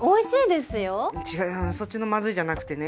そっちのまずいじゃなくてね。